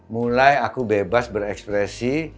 mulai aku bebas berekspresi